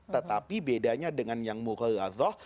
tetapi bedanya dengan yang mukhaladzah